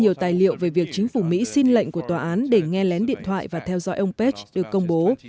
nhiều tài liệu về việc chính phủ mỹ xin lệnh của tòa án để nghe lén điện thoại và theo dõi ông pech được công bố